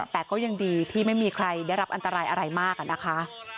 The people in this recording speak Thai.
แต่ก็ยังดีที่ไม่มีใครได้รับอันตรายอะไรมากอะนะคะ